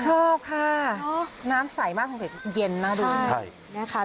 ชอบค่ะน้ำใสมากห็บห่บเย็นน่ะดู